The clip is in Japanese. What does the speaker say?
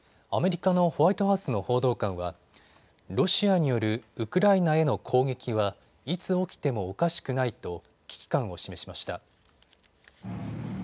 アメリカのホワイトハウスの報道官はロシアによるウクライナへの攻撃はいつ起きてもおかしくないと危機感を示しました。